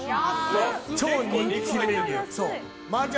超人気メニュー麻雀